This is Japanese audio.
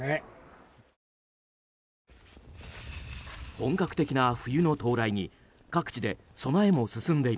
本格的な冬の到来に各地で備えも進んでいます。